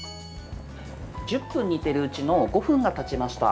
１０分煮てるうちの５分がたちました。